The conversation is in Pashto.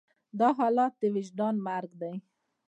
دا حالت د وجدان مرګ دی.